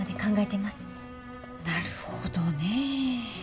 なるほどね。